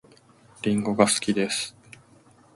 りんごが好きです